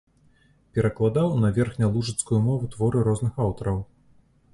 Перакладаў на верхнялужыцкую мову творы розных аўтараў.